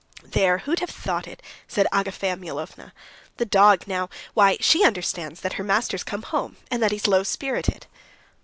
"There, who'd have thought it?" said Agafea Mihalovna. "The dog now ... why, she understands that her master's come home, and that he's low spirited."